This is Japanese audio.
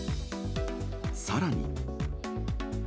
さらに。